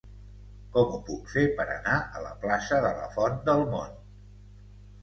Com ho puc fer per anar a la plaça de la Font del Mont?